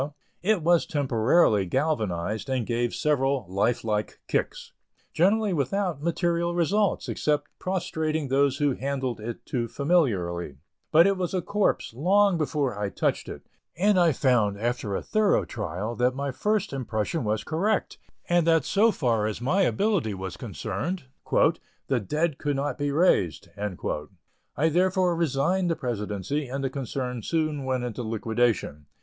it was temporarily galvanized, and gave several life like kicks, generally without material results, except prostrating those who handled it too familiarly; but it was a corpse long before I touched it, and I found, after a thorough trial, that my first impression was correct, and that so far as my ability was concerned, "the dead could not be raised." I therefore resigned the presidency and the concern soon went into liquidation.